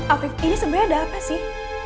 afif ini sebenarnya ada apa sih